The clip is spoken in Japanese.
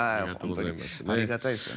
ありがたいですよね。